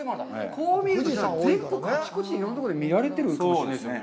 こう見ると、全国あちこちいろんなところで見られてるんですね。